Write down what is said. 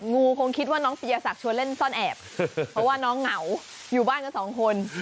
คงคิดว่าน้องปียศักดิ์ชวนเล่นซ่อนแอบเพราะว่าน้องเหงาอยู่บ้านกันสองคน